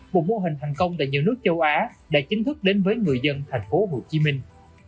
một mô hình thành công tại nhiều nước châu á đã chính thức đến với người dân thành phố hồ chí minh